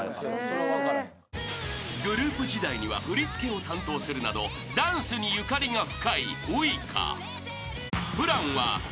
［グループ時代には振り付けを担当するなどダンスにゆかりが深いウイカ］